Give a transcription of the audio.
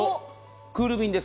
クール便です。